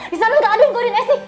disana gak ada yang ngodin esi